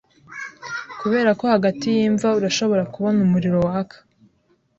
Kuberako hagati yimva urashobora kubona umuriro waka